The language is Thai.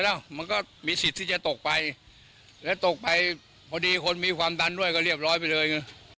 แล้วมันก็มีสิทธิ์ที่จะตกไปแล้วตกไปพอดีคนมีความดันด้วยก็เรียบร้อยไปเลยไง